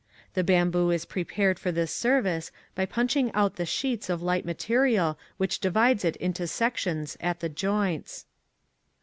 The bamboo is prepared for this service by ]5unching out the sheets of light material which divides it into sections at the joints.